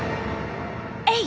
えい！